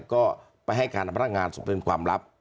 ก็ไปให้การพนักงานสมเพ็ญความลับ